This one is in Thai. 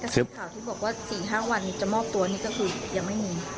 ซึ่งข่าวที่บอกว่า๔๕วันจะมอบตัวนี่ก็คือยังไม่มี